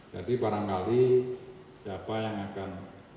jadi barangkali siapa yang akan